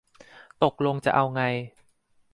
ตกลงจะเอาไง